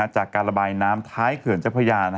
จากการระบายน้ำท้ายเขื่อนเจ้าพระยา